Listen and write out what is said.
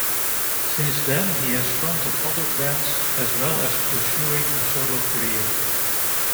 Since then he has fronted other bands, as well as pursuing a solo career.